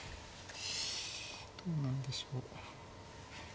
どうなんでしょう。